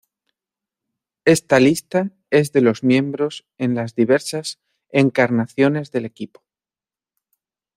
Esta lista es de los miembros en las diversas encarnaciones del equipo.